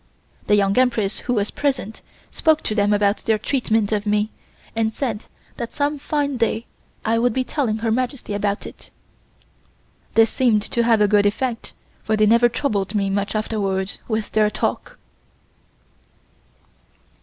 The Young Empress, who was present, spoke to them about their treatment of me and said that some fine day I would be telling Her Majesty about it. This seemed to have a good effect for they never troubled me much afterwards with their talk.